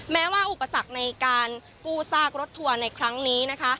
แม้ว่าอุปสรรคในการกู้ซากรถทัวร์ในครั้งนี้นะคะ